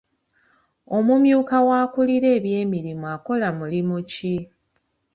Omumyuka w'akulira eby'emirimu akola mulimu ki?